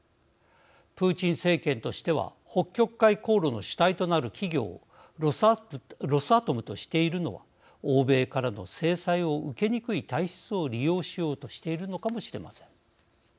プーチン政権としては北極海航路の主体となる企業をロスアトムとしているのは欧米からの制裁を受けにくい体質を利用しようとしているのかもしれません。